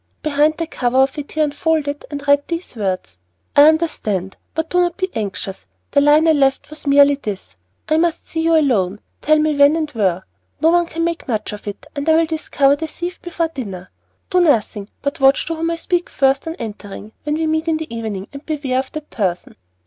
Behind the cover of it he unfolded and read these words: _I understand, but do not be anxious; the line I left was merely this "I must see you alone, tell me when and where." No one can make much of it, and I will discover the thief before dinner. Do nothing, but watch to whom I speak first on entering, when we meet in the evening, and beware of that person.